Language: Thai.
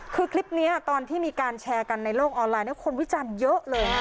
คือคลิปนี้ตอนที่มีการแชร์กันในโลกออนไลน์คนวิจารณ์เยอะเลย